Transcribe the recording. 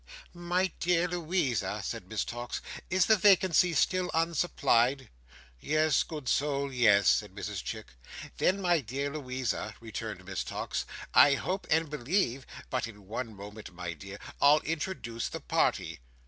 "My dear Louisa," said Miss Tox, "is the vacancy still unsupplied?" "You good soul, yes," said Mrs Chick. "Then, my dear Louisa," returned Miss Tox, "I hope and believe—but in one moment, my dear, I'll introduce the party."